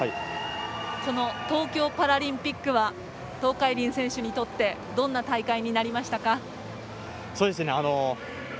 この東京パラリンピックは東海林選手にとってどんな大会になりましたか？